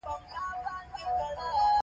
زه د پاکو بالښتونو بوی خوښوم.